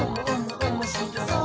おもしろそう！」